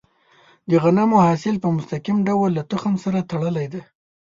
د غنمو حاصل په مستقیم ډول له تخم سره تړلی دی.